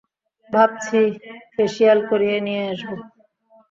ভাবছি ফেসিয়াল করিয়ে নিয়ে আসবো!